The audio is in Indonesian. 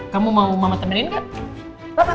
kamu mau mama temenin nggak